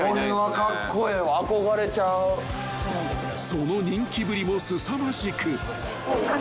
［その人気ぶりもすさまじく］